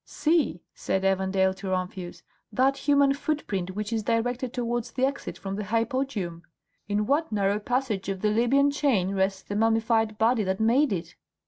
"See," said Evandale to Rumphius, "that human footprint which is directed towards the exit from the hypogeum! In what narrow passage of the Libyan chain rests the mummified body that made it?"